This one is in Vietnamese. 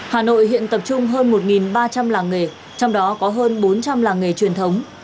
hà nội hiện tập trung hơn một ba trăm linh làng nghề trong đó có hơn bốn trăm linh làng nghề truyền thống